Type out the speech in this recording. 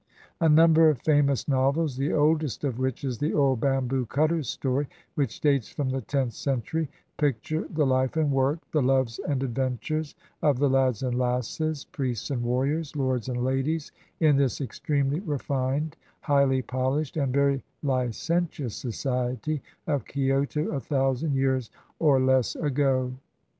A number of famous novels, the oldest of which is the Old Bamboo Cutter's Story, which dates from the tenth century, picture the life and work, the loves and adven tures, of the lads and lasses, priests and warriors, lords and ladies, in this extremely refined, highly polished, and very licentious society of Kioto a thousand years or less ago.